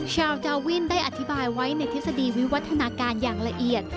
ชาวดาวินได้อธิบายไว้ในทฤษฎีวิวัฒนาการอย่างละเอียด